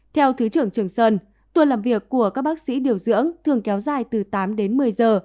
theo thứ trưởng trường sơn tuần làm việc của các bác sĩ điều dưỡng thường kéo dài từ tám đến một mươi giờ